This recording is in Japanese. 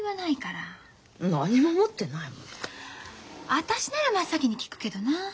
私なら真っ先に聞くけどな。